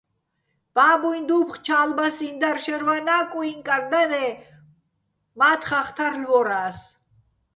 ბაბუიჼ დუფხო̆ ჩა́ლბასიჼ დარ, შერვანა́ კუიჼ კან დარე́ მა́თხახ თარლ'ვორა́ს.